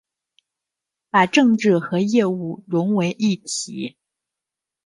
把政治和业务融为一体